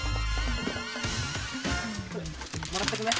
これもらってくね。